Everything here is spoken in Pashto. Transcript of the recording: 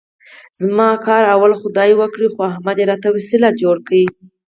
زما کار اول خدای وکړ، خو احمد یې راته وسیله جوړ کړ.